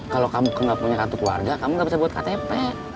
kalau kamu nggak punya kartu keluarga kamu gak bisa buat ktp